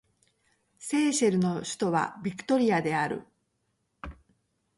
セーシェルの首都はビクトリアである